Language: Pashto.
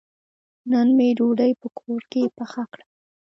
نن مې ډوډۍ په کور کې پخه کړه.